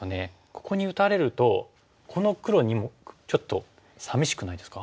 ここに打たれるとこの黒２目ちょっとさみしくないですか？